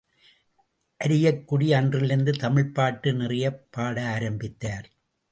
அரியக்குடி அன்றிலிருந்து தமிழ்ப்பாட்டு நிறையப் பாட ஆரம்பித்தார்.